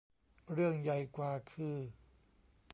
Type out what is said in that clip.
เรื่องใหญ่กว่าคือ